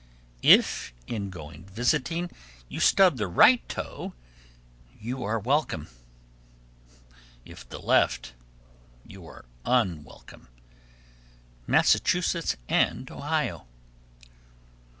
If, in going visiting, you stub the right toe, you are welcome; if the left, you are unwelcome. _Massachusetts and Ohio.